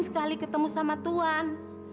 sekali ketemu sama tuan